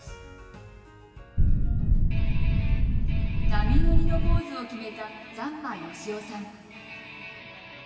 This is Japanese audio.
波乗りのポーズを決めた残間祥夫さん。